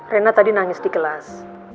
rena tadi nangis di kelas